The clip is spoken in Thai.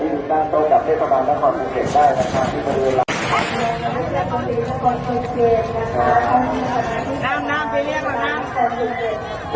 ให้สามารถมาร่วมและพิจารณ์ต้นกับเมษภาพนักษณะพรุ่งเก็บได้นะครับ